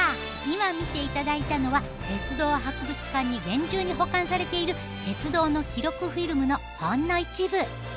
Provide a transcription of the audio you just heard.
今見て頂いたのは鉄道博物館に厳重に保管されている鉄道の記録フィルムのほんの一部。